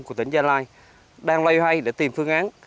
của tỉnh gia lai đang loay hoay để tìm phương án